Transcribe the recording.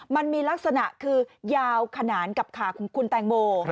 มันมีลักษณะคือยาวขนาดกับขาของคุณแตงโม